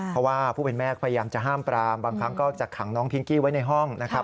เพราะว่าผู้เป็นแม่พยายามจะห้ามปรามบางครั้งก็จะขังน้องพิงกี้ไว้ในห้องนะครับ